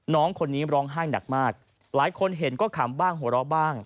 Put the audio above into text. น้องคนนี้ร้องไห้หนักมากหลายคนเห็นก็ขำบ้างหัวเราะบ้าง